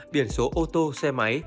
biển số ô tô xe máy